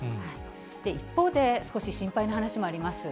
一方で、少し心配な話もあります。